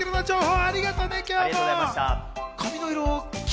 ありがとうございます。